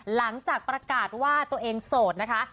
หลังจากประกาศว่าตัวเองโสดนะคะ